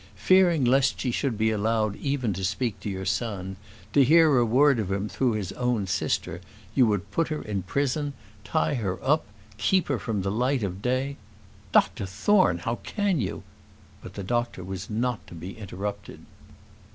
Fearing lest she should be allowed even to speak to your son, to hear a word of him through his own sister, you would put her in prison, tie her up, keep her from the light of day " "Dr Thorne! how can you " But the doctor was not to be interrupted.